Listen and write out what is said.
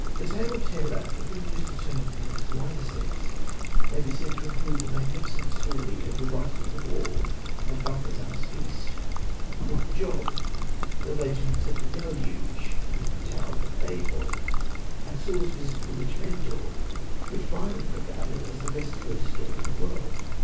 The Tale of Terror, if we use the term in its wider sense, may be said to include the magnificent story of the Writing on the Wall at Belshazzar's Feast, the Book of Job, the legends of the Deluge and of the Tower of Babel, and Saul's Visit to the Witch of Endor, which Byron regarded as the best ghost story in the world.